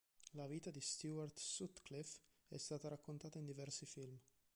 La vita di Stuart Sutcliffe è stata raccontata in diversi film.